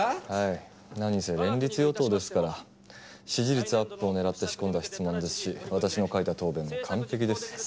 はい何せ連立与党ですから支持率アップを狙って仕込んだ質問ですし私の書いた答弁も完璧です。